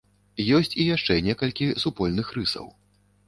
Ёсць і яшчэ некалькі супольных рысаў.